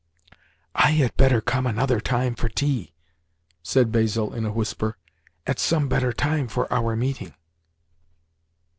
"I had better come another time for tea," said Basil in a whisper—"at some better time for our meeting."